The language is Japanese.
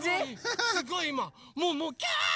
すごいいまもうもうキャーッ！